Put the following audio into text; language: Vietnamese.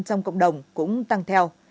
và hợp đồng cũng tăng theo